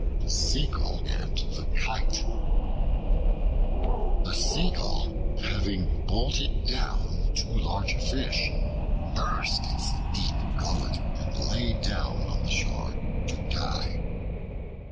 The Seagull and the Kite A SEAGULL having bolted down too large a fish, burst its deep gullet bag and lay down on the shore to die.